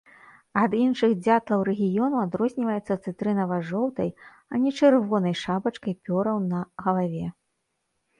Ад іншых дзятлаў рэгіёну адрозніваецца цытрынава-жоўтай, а не чырвонай шапачкай пёраў на галаве.